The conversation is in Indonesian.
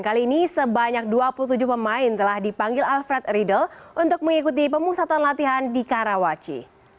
kali ini sebanyak dua puluh tujuh pemain telah dipanggil alfred riedel untuk mengikuti pemusatan latihan di karawaci